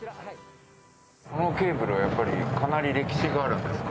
このケーブルはやっぱりかなり歴史があるんですか？